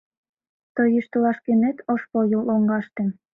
Тый йӱштылаш кӧнет ош пыл лоҥгаште.